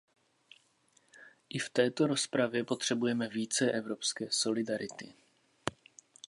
I v této rozpravě potřebujeme více evropské solidarity.